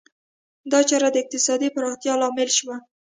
دا چاره د اقتصادي پراختیا لامل شوه.